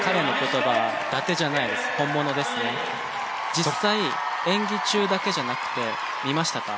実際演技中だけじゃなくて見ましたか？